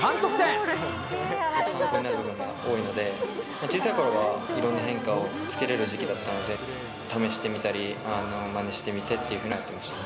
すごく参考になることが多いので、小さいころはいろんな変化をつけれる時期だったので、試してみたり、まねしてみてっていうふうにやっていました。